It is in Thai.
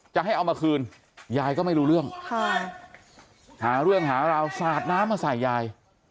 จะให้เอามาคืนยายก็ไม่รู้เรื่องค่ะหาเรื่องหาราวสาดน้ำมาใส่ยาย